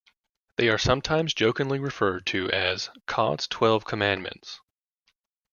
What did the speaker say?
They are sometimes jokingly referred to as "Codd's Twelve Commandments".